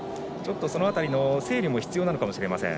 その辺りの整理も必要なのかもしれません。